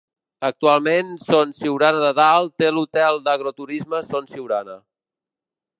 Actualment Son Siurana de Dalt té l'hotel d'agroturisme Son Siurana.